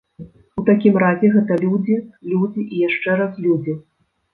У такім разе гэта людзі, людзі і яшчэ раз людзі.